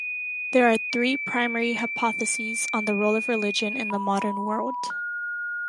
There are three primary hypotheses on the role of religion in the modern world.